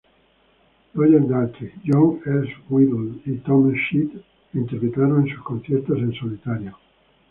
Roger Daltrey, John Entwistle y Townshend la interpretaron en sus conciertos en solitario.